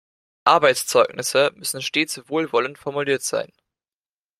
Arbeitszeugnisse müssen stets wohlwollend formuliert sein.